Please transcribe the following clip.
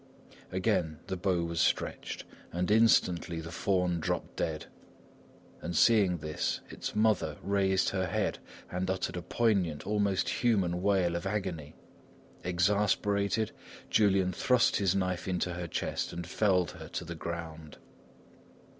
Again the bow was stretched, and instantly the fawn dropped dead, and seeing this, its mother raised her head and uttered a poignant, almost human wail of agony. Exasperated, Julian thrust his knife into her chest, and felled her to the ground.